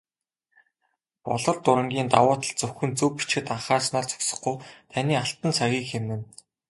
"Болор дуран"-ийн давуу тал зөвхөн зөв бичихэд анхаарснаар зогсохгүй, таны алтан цагийг хэмнэнэ.